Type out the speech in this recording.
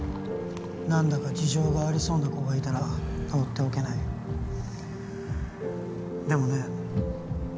何だか事情がありそうな子がいたら放っておけないでもね